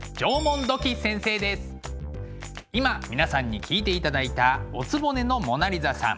今皆さんに聴いていただいた「お局のモナ・リザさん」。